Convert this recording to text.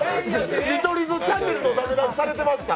見取り図チャンネルのだめ出しされてました？